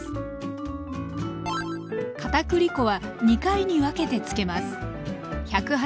片栗粉は２回に分けてつけます。